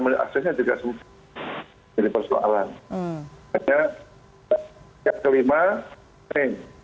menemani orang tidak akan